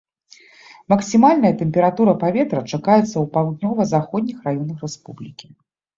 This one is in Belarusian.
Максімальная тэмпература паветра чакаецца ў паўднёва-заходніх раёнах рэспублікі.